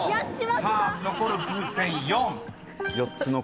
［さあ残る風船４］